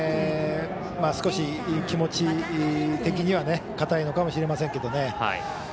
少し気持ち的にはかたいのかもしれませんけどね。